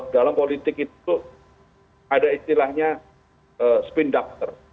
dalam politik itu ada istilahnya spin doctor